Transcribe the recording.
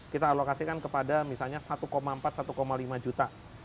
kita alokasikan kepada misalnya satu empat satu lima juta